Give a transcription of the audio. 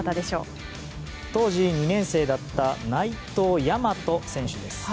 当時２年生だった内藤大翔選手です。